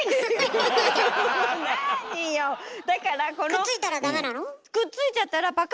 くっついたらダメなの？